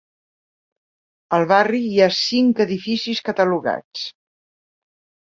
Al barri hi ha cinc edificis catalogats.